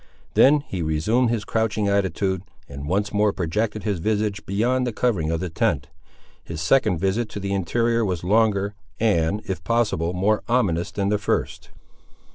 Then he resumed his crouching attitude, and once more projected his visage beyond the covering of the tent. His second visit to the interior was longer, and, if possible, more ominous than the first.